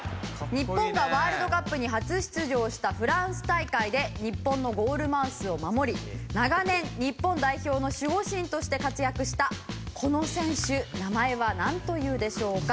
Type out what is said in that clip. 「日本がワールドカップに初出場したフランス大会で日本のゴールマウスを守り長年日本代表の守護神として活躍したこの選手名前はなんというでしょうか？」